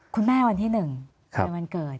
คุณแม่วันที่๑ในวันเกิด